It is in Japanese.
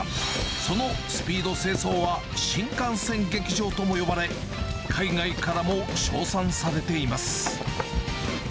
そのスピード清掃は新幹線劇場とも呼ばれ、海外からも称賛されています。